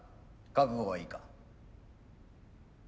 覚悟はいいか？